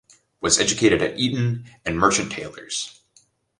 Was educated at Eton and Merchant Taylors'.